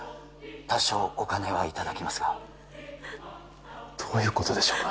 多少お金はいただきますがどういうことでしょうか？